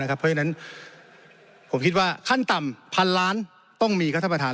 เพราะฉะนั้นผมคิดว่าขั้นต่ำพันล้านต้องมีครับท่านประธาน